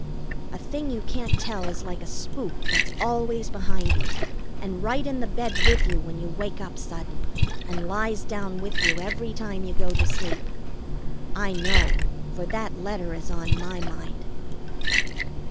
A thing you can't tell is like a spook that's always behind you, and right in the bed with you when you wake up sudden, and lies down with you every time you go to sleep. I know, for that letter is on my mind.